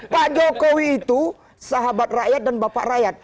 pak jokowi itu sahabat rakyat dan bapak rakyat